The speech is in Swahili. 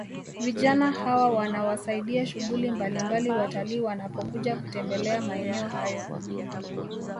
Vijana hawa wanawasaidia shughuli mbalimbali watalii wanapokuja kutembelea maeneo hayo